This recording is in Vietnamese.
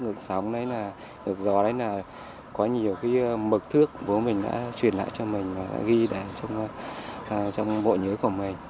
nước gió đấy là có nhiều cái mực thước bố mình đã truyền lại cho mình đã ghi lại trong bộ nhớ của mình